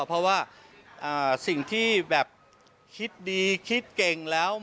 เพราะว่าสิ่งที่แบบคิดดีคิดเก่งแล้ว